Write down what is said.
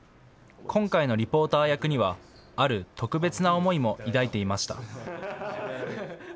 今回のリポーター役にはある特別な思いも抱いていました。